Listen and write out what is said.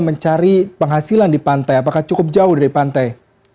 mencari penghasilan di pantai apakah cukup jauh dari pantai